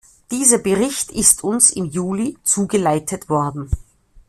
Dieser Bericht ist uns im Juli zugeleitet worden.